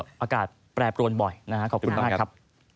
อากาศแปรบลวนบ่อยนะครับขอบคุณครับ